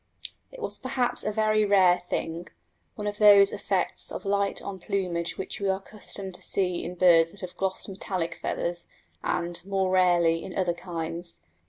It was perhaps a very rare thing one of those effects of light on plumage which we are accustomed to see in birds that have glossed metallic feathers, and, more rarely, in other kinds.